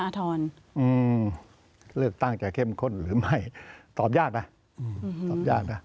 คอทานหืมเลือกตั้งจะเข้มข้นหรือไม่สอบยากนะอืมอืมยากนะ